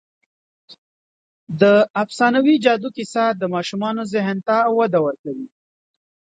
د افسانوي جادو کیسه د ماشومانو ذهن ته وده ورکوي.